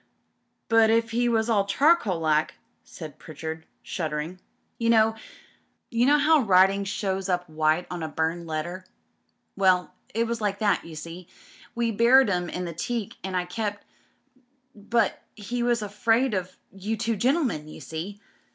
"But if he was all charcoal like?" said Pritchard« shuddering. MRS. BATHURST 337 •* You know how writing shows up white on a burned letter ? Well, it was like that, you see. We buried 'em in the teak and I kept ... But he was a friend of you two gentlemen, you see.